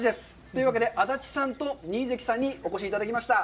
というわけで、安達さんと新関さんにお越しいただきました。